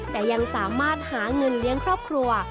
แต่ยังสามารถหาเงินเลี้ยงครอบครัว